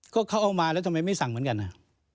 ก็เขาเอามาแล้วทำไมไม่สั่งเหมือนกันนะ